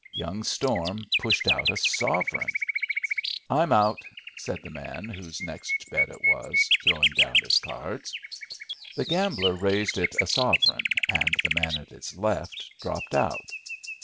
Young Storm pushed out a sovereign. "I'm out," said the man whose next bet it was, throwing down his cards. The gambler raised it a sovereign, and the man at his left dropped out.